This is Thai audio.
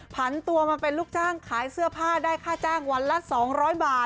ผันตัวมาเป็นลูกจ้างขายเสื้อผ้าได้ค่าจ้างวันละ๒๐๐บาท